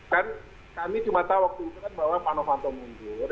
kan kami cuma tahu waktu itu kan bahwa pak novanto mundur